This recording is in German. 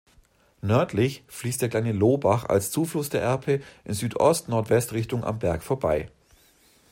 Nördlich fließt der kleine Lohbach als Zufluss der Erpe in Südost-Nordwest-Richtung am Berg vorbei.